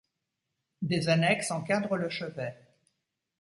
Des annexes encadrent le chevet.